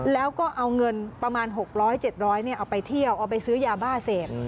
แล้วก็เอาเงินประมาณ๖๐๐๗๐๐เอาไปเที่ยวเอาไปซื้อยาบ้าเสพ